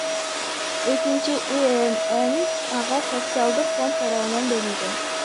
Экинчи ИНН ага Социалдык фонд тарабынан берилген.